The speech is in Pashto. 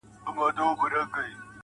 ما ويل څه به ورته گران يمه زه_